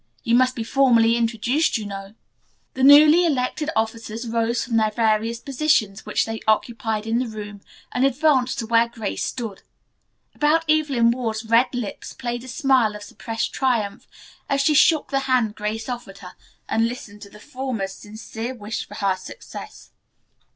You must be formally introduced, you know." The newly elected officers rose from their various positions which they occupied in the room and advanced to where Grace stood. About Evelyn Ward's red lips played a smile of suppressed triumph as she shook the hand Grace offered her and listened to the former's sincere wish for her success.